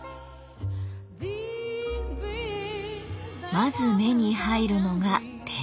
まず目に入るのが天井。